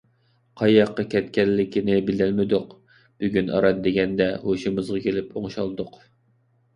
قاياققا كەتكەنلىكىنى بىلەلمىدۇق. بۈگۈن ئاران دېگەندە ھوشىمىزغا كېلىپ ئوڭشالدۇق.